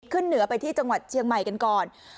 เหนือไปที่จังหวัดเชียงใหม่กันก่อน